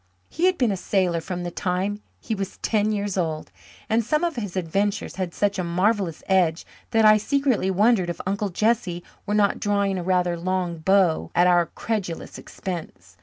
He had been a sailor from the time he was ten years old, and some of his adventures had such a marvellous edge that I secretly wondered if Uncle Jesse were not drawing a rather long bow at our credulous expense.